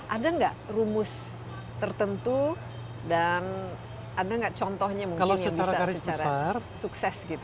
ada nggak rumus tertentu dan ada nggak contohnya mungkin yang bisa secara sukses gitu